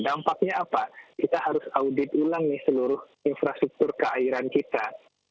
dampaknya apa kita harus audit ulang nih seluruh infrastruktur keairan kita